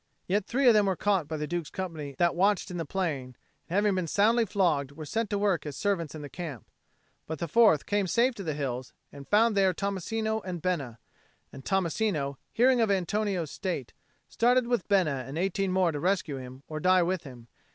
Yet three of them were caught by the Duke's company that watched in the plain, and, having been soundly flogged, were set to work as servants in the camp. But the fourth came safe to the hills, and found there Tommasino and Bena; and Tommasino, hearing of Antonio's state, started with Bena and eighteen more to rescue him or die with him.